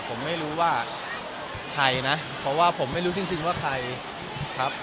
ผมไม่รู้ว่าใครนะเพราะว่าผมไม่รู้จริงว่าใครครับ